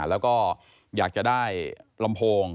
แล้วก็อยากจะได้ลำโพง